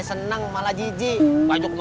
mereka pilih diri ingin bites